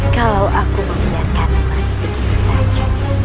kalau aku membenarkan mati begitu saja